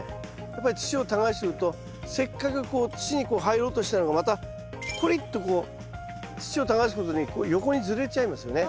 やっぱり土を耕してるとせっかくこう土にこう入ろうとしたのがまたこりっとこう土を耕すごとに横にずれちゃいますよね。